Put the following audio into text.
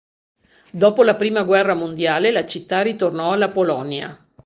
Dopo la prima guerra mondiale la città ritornò alla Polonia.